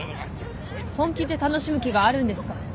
本気で楽しむ気があるんですか？